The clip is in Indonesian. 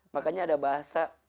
makanya ada bahasa